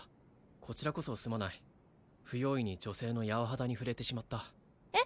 こちらこそすまない不用意に女性の柔肌に触れてしまったえっ